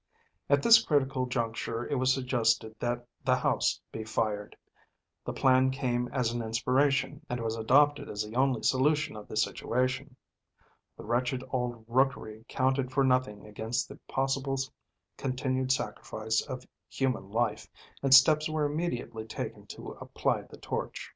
At this critical juncture it was suggested that the house be fired. The plan came as an inspiration, and was adopted as the only solution of the situation. The wretched old rookery counted for nothing against the possible continued sacrifice of human life, and steps were immediately taken to apply the torch.